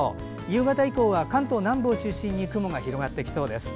夕方以降は、関東南部を中心に雲が広がりそうです。